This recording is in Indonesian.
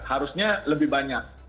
harusnya lebih banyak